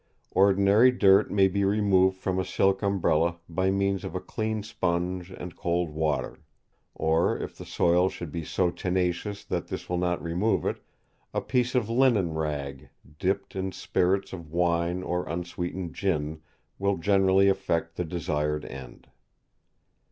Ordinary dirt may be removed from a silk umbrella by means of a clean sponge and cold water, or if the soil should be so tenacious that this will not remove it, a piece of linen rag, dipped in spirits of wine or unsweetened gin, will generally effect the desired end."